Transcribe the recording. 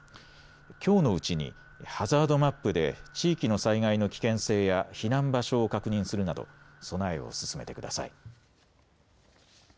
きょうのうちにハザードマップで地域の災害の危険性や避難場所を確認するなど備えを進めてください。